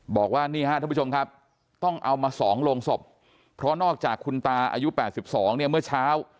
บอกว่านี่ฮะท่านผู้ชมครับต้องเอามา๒โรงศพเพราะนอกจากคุณตาอายุ๘๒เนี่ยเมื่อเช้า